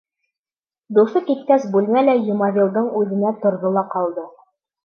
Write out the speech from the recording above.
Дуҫы киткәс бүлмә лә Йомаҙилдың үҙенә торҙо ла ҡалды.